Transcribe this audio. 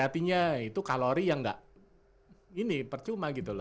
artinya itu kalori yang nggak ini percuma gitu loh